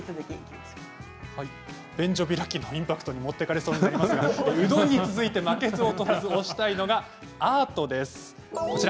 便所開きのインパクトに持っていかれそうですがうどんに続いて負けず劣らず推したいのがアートです。